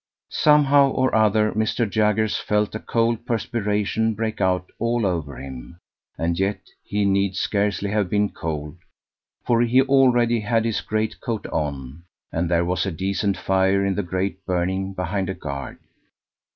Somehow or other Mr. Jaggers felt a cold perspiration break out all over him, and yet he need scarcely have been cold, for he already had his greatcoat on, and there was a decent fire in the grate burning behind a guard.